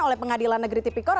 oleh pengadilan negeri tipikor